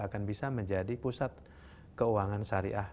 akan bisa menjadi pusat keuangan syariah